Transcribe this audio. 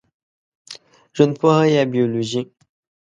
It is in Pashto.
ژوندپوهه یا بېولوژي